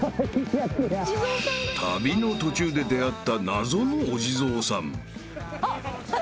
［旅の途中で出合った謎のお地蔵さん］